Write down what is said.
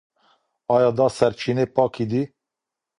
ايا دا سرچينې پاکي دي؟